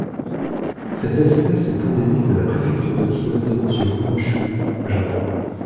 Cette espèce est endémique de la préfecture de Kyoto sur Honshū au Japon.